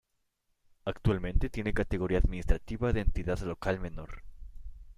Actualmente tiene categoría administrativa de Entidad Local Menor.